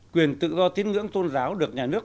quyền tự do tín ngưỡng tôn giáo được nhà nước